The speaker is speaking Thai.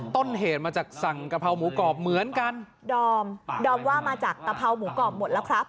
ต้นเหตุมาจากสั่งกะเพราหมูกรอบเหมือนกันดอมดอมว่ามาจากกะเพราหมูกรอบหมดแล้วครับ